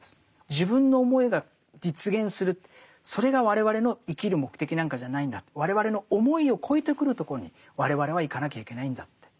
自分の思いが実現するそれが我々の生きる目的なんかじゃないんだと我々の思いを超えてくるところに我々はいかなきゃいけないんだって。